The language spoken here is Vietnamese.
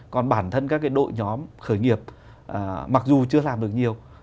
còn bản thân các đội nhóm khởi nghiệp mặc dù chưa làm được nhiều